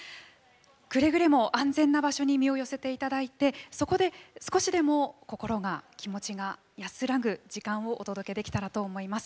くれぐれも安全な場所に身を寄せていただいてそこで少しでも心が気持ちが安らぐ時間をお届けできたらと思います。